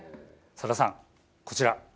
さださん、こちら。